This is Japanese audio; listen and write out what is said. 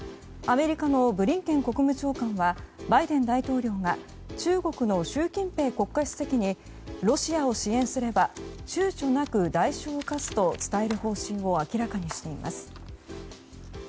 アメリカのブリンケン国務長官はバイデン大統領が中国の習近平国家主席にロシアを支援すれば躊躇なく代償を科すと伝える方針を明らかにしています。